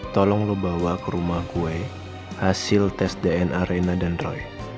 tolong bawa ke rumah saya hasil tes dna reina dan roy